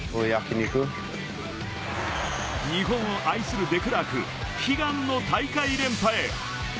日本を愛するデクラーク、悲願の大会連覇へ。